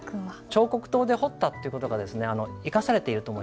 彫刻刀で彫ったという事が生かされていると思いますね。